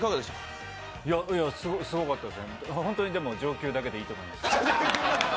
すごかったです、上級だけでいいと思います。